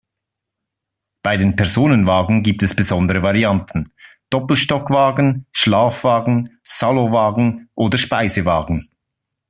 Bei den Personenwagen gibt es besondere Varianten: Doppelstockwagen, Schlafwagen, Salonwagen oder Speisewagen.